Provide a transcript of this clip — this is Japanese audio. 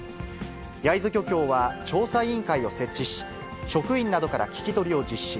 焼津漁協は調査委員会を設置し、職員などから聞き取りを実施。